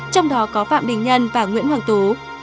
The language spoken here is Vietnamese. trong đó có phạm đình nhân và nguyễn hoàng tú